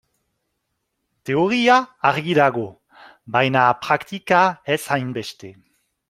Teoria argi dago, baina praktika ez hainbeste.